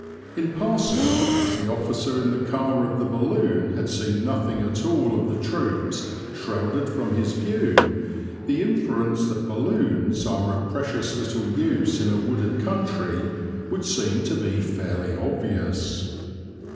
(In passing, as the officer in the car of the balloon had seen nothing at all of the troops shrouded from his view, the inference that balloons are of precious little use in a wooded country would seem to be fairly obvious.)